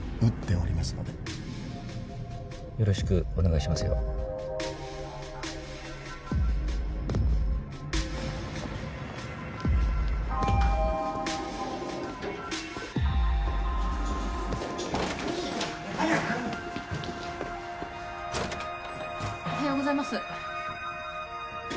おはようございます。